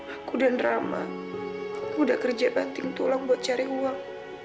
aku dan rama aku udah kerja banting tolong buat cari uang